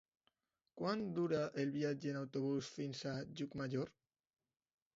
Quant dura el viatge en autobús fins a Llucmajor?